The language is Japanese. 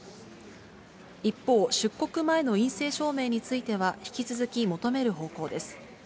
一方、出国前の陰性証明については引き続き求める方向です。